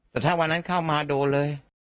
แต่ถ้าวันนั้นเข้ามาโดนเลย